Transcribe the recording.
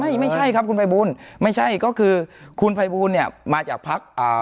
ไม่ใช่ครับคุณภัยบูลไม่ใช่ก็คือคุณภัยบูลเนี่ยมาจากพักอ่า